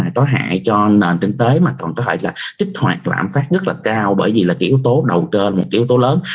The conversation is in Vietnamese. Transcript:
có hại cho nền tính tế mà còn có hại là trích hoạt lãm phát rất là cao bởi vì là kiểu tố đầu trơ là một kiểu tố lớn